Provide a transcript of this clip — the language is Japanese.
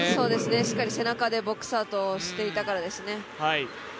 しっかり背中でボックスアウトしていたからですね。